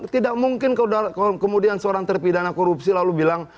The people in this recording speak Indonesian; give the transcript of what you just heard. tidak mungkin kemudian seorang terpidana korupsi lalu bilang